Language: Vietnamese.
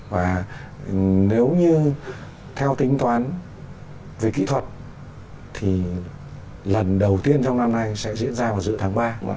và nếu như theo tính toán về kỹ thuật thì lần đầu tiên trong năm nay sẽ diễn ra vào giữa tháng ba